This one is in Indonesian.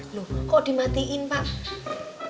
loh kok dimatiin pak